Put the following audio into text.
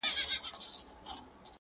• ځکه تاته په قسمت لیکلی اور دی -